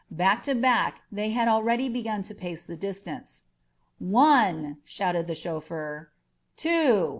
Back to back, they had already begun to pace the distance. "One !" shouted the chauffeur. "Two